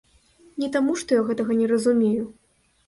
Не таму, што я гэтага не разумею.